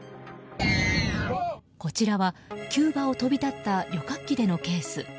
こちらはキューバを飛び立った旅客機でのケース。